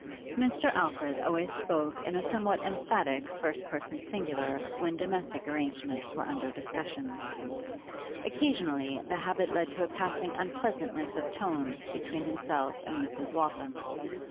Mr. Alfred always spoke in a somewhat emphatic first person singular when domestic arrangements were under, discussion; occasionally the habit led to a passing unpleasantness of tone between himself and Mrs. Waltham.